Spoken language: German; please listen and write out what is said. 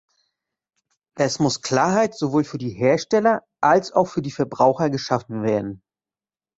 Es muss Klarheit sowohl für die Hersteller als auch für die Verbraucher geschaffen werden.